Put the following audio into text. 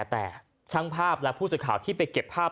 แต่ช่างภาพและผู้สื่อข่าวที่ไปเก็บภาพ